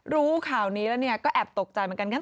รู้ข่าวนี้แล้วก็แอบตกใจเหมือนกัน